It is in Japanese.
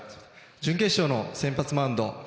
準決勝の先発マウンド